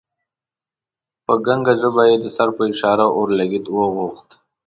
په ګنګه ژبه یې د سر په اشاره اورلګیت وغوښت.